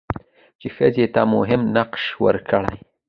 چې ښځې ته مهم نقش ورکړي؛